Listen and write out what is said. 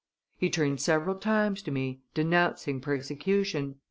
He turned several times to me, denouncing persecution.